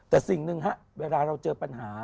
แต่สิ่งหนึ่งฮะเวลาเราเจอปัญหา